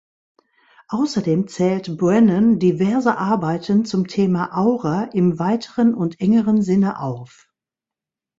Außerdem zählt Brennan diverse Arbeiten zum Thema Aura im weiteren und engeren Sinne auf.